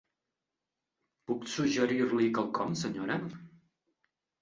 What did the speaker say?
Puc suggerir-li quelcom, senyora?